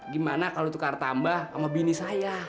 gimana kalau tukar tambah sama bini saya